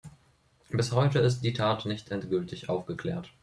Bis heute ist die Tat nicht endgültig aufgeklärt.